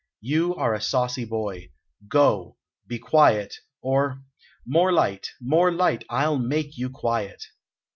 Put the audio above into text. "You are a saucy boy! Go! Be quiet, or More light! More light! I'll make you quiet."